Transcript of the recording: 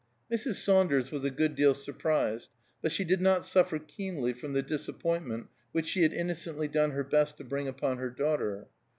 Mrs. Saunders was a good deal surprised, but she did not suffer keenly from the disappointment which she had innocently done her best to bring upon her daughter.